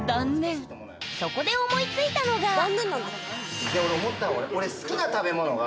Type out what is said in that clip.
そこで思いついたのがいやオレ思ったのがね